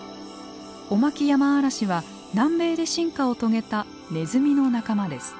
オマキヤマアラシは南米で進化を遂げたネズミの仲間です。